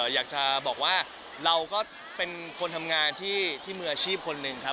อยากจะบอกว่าเราก็เป็นคนทำงานที่มืออาชีพคนหนึ่งครับ